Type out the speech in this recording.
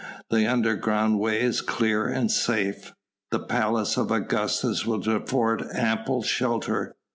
The underground way is clear and safe. The Palace of Augustus would afford ample shelter.